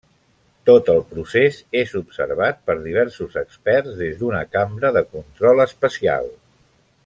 Tot el procés és observat per diversos experts des d'una cambra de control especial.